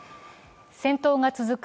戦闘が続く